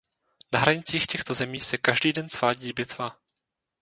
Na hranicích těchto zemí se každý den svádí bitva.